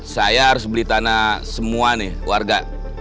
saya harus beli tanah semua nih warga